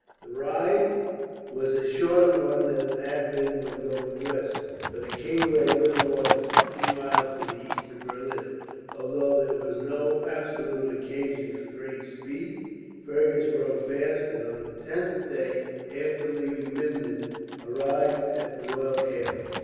The ride was a shorter one than it had been when going west, for the king lay little more than fifty miles to the east of Berlin. Although there was no absolute occasion for great speed, Fergus rode fast; and on the tenth day after leaving Minden arrived at the royal camp.